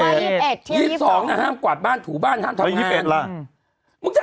ว่ายี่สิบสองที่ยบสองนะห้ามกวาดบ้านถู่บ้านห้ามทำงานมึงจะ